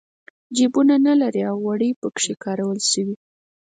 جېبونه نه لري او وړۍ پکې کارول شوي.